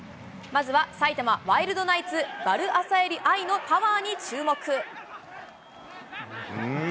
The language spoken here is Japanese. まずは埼玉ワイルドナイツ、ヴァルアサエリ愛のパワーに注目。